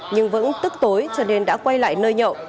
nhưng vẫn tức tối cho nên đã quay lại nơi nhậu